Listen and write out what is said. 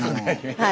はい。